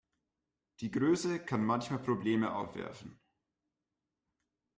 Die Größe kann manchmal Probleme aufwerfen.